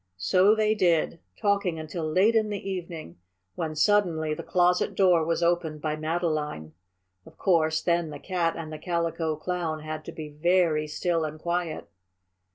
So they did, talking until late in the evening when, suddenly, the closet door was opened by Madeline. Of course, then the Cat and the Calico Clown had to be very still and quiet.